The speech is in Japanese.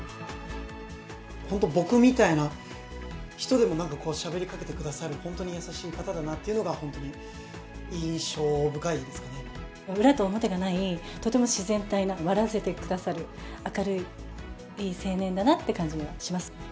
本当、僕みたいな人でも、なんか、しゃべりかけてくださる、本当に優しい方だなというのが、本当に裏と表がない、とても自然体な、笑わせてくださる明るいいい青年だなっていう感じがします。